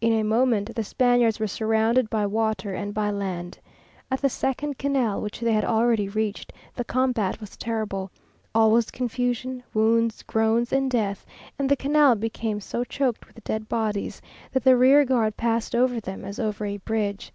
In a moment the Spaniards were surrounded by water and by land. At the second canal, which they had already reached, the combat was terrible. All was confusion, wounds, groans, and death; and the canal became so choked with dead bodies, that the rear guard passed over them as over a bridge.